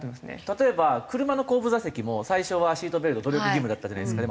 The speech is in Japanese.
例えば車の後部座席も最初はシートベルト努力義務だったじゃないですか。